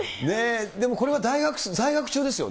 でもこれは大学在学中ですよ